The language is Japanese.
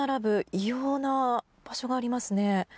異様な場所がありますね。